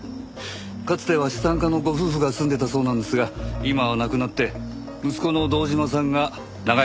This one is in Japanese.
かつては資産家のご夫婦が住んでいたそうなんですが今は亡くなって息子の堂島さんが長い事一人で暮らしています。